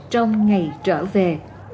trong ngày trở về